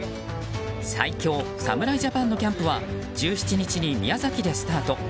最強侍ジャパンのキャンプは１７日に宮崎でスタート。